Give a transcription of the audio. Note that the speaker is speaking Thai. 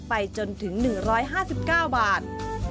ไปจนถึง๑๕๙บาท